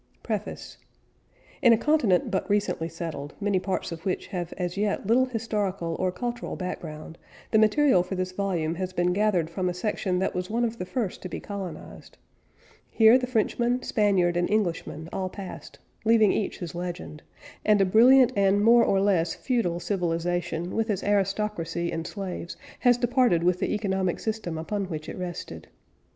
PREFACE In a continent but recently settled, many parts of which have as yet little historical or cultural background, the material for this volume has been gathered from a section that was one of the first to be colonized. Here the Frenchman, Spaniard, and Englishman all passed, leaving each his legend; and a brilliant and more or less feudal civilization with its aristocracy and slaves has departed with the economic system upon which it rested.